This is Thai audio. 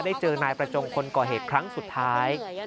เจอนายประจงคนก่อเหตุครั้งสุดท้าย